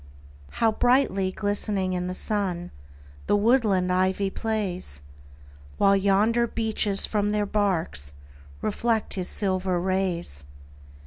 How brightly glistening in the sun The woodland ivy plays! While yonder beeches from their barks Reflect his silver rays.